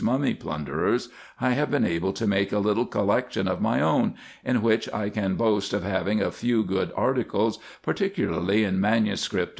295 mummy plunderers, I have been able to make a little collection of ray own, in which I can boast of having a few good articles, par ticularly in manuscript, &c.